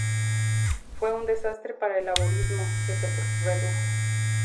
Fue un desastre para el laborismo, que se redujo.